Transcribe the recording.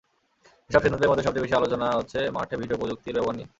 এসব সিদ্ধান্তের মধ্যে সবচেয়ে বেশি আলোচনা হচ্ছে মাঠে ভিডিও প্রযুক্তির ব্যবহার নিয়ে।